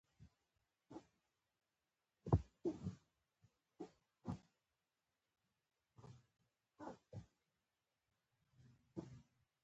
کچېرې ملالې دا کار